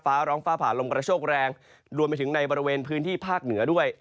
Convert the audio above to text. ฟ้าร้องฟ้าผ่าลมกระโชคแรงรวมไปถึงในบริเวณพื้นที่ภาคเหนือด้วย